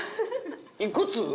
いくつ？